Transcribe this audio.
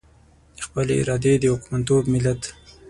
د خپلې ارادې د واکمنتوب ملت.